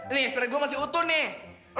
nih eksperimen gue masih utuh nih